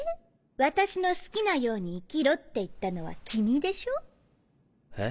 私の好きなように生きろって言ったのは君でしょ？え？